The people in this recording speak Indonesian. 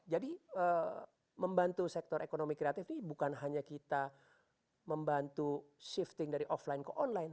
jadi membantu sektor ekonomi kreatif ini bukan hanya kita membantu shifting dari offline ke online